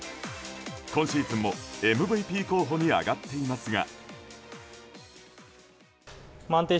今シーズンもＭＶＰ候補に挙がっていますが。